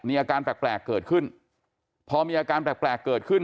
มีอาการแปลกเกิดขึ้นพอมีอาการแปลกเกิดขึ้น